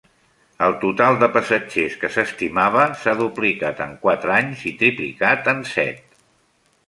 Els total de passatgers que s'estimava, s'ha duplicat en quatre anys i triplicat en set.